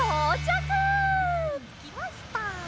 つきました。